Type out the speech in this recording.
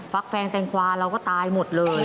แฟนแฟนควาเราก็ตายหมดเลย